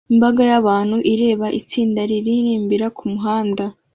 Imbaga y'abantu ireba itsinda riririmbira kumuhanda